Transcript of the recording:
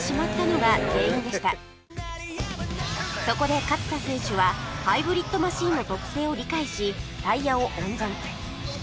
そこで勝田選手はハイブリッドマシンの特性を理解しタイヤを温存